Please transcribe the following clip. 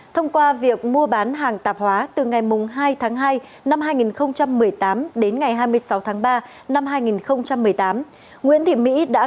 thông qua việc mua bán hàng tạp hóa từ ngày hai tháng hai năm hai nghìn một mươi tám đến ngày hai mươi sáu tháng ba năm hai nghìn một mươi tám nguyễn thị mỹ